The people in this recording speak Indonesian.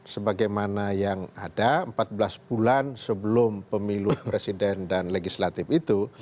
sebagaimana yang ada empat belas bulan sebelum pemilu presiden dan legislatif itu